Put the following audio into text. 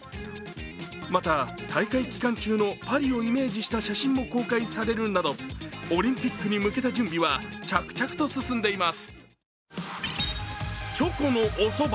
また大会期間中のパリをイメージした写真も公開されるなどオリンピックに向けた準備は着々と進んでいます。